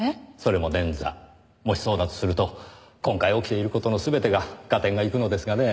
もしそうだとすると今回起きている事の全てが合点がいくのですがねぇ。